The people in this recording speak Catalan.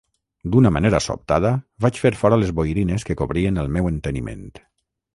D'una manera sobtada, vaig fer fora les boirines que cobrien el meu enteniment.